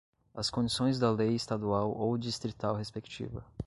as condições da lei estadual ou distrital respectiva